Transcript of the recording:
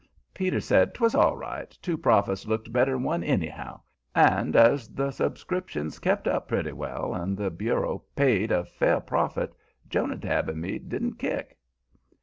Peter said 'twas all right two prophets looked better'n one, anyhow; and, as subscriptions kept up pretty well, and the Bureau paid a fair profit, Jonadab and me didn't kick.